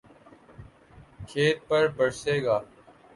کھیت پر برسے گا